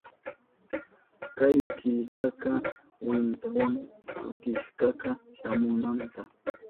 Kay killkaka kwintawan kutikashka shamunanta.